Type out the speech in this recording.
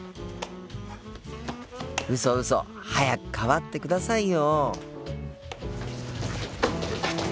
うそうそ早く代わってくださいよ。